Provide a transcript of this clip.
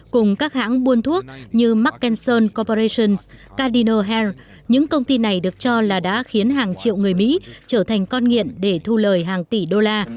cùng các hãng buôn thuốc như mckinsey corporation cardinal health những công ty này được cho là đã khiến hàng triệu người mỹ trở thành con nghiện để thu lời hàng tỷ đô la